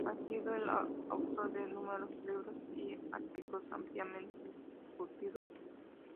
Ha sido el autor de numerosos libros y artículos ampliamente discutidos.